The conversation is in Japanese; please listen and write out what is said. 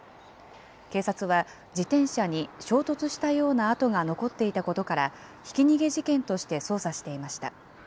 警察は自転車に衝突したような跡が残っていたことから、ひき逃げ事件として捜査していました。